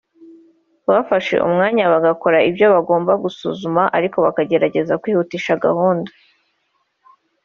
bafashe umwanya bagakora ibyo bagomba gusuzuma ariko bakageragaza kwihutisha gahunda